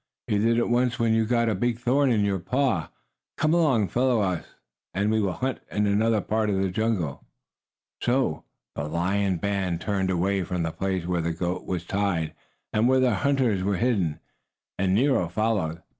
You did it once when you got a big thorn in your paw. Come along, follow us and we will hunt in another part of the jungle." So the lion band turned away from the place where the goat was tied and where the hunters were hidden, and Nero followed.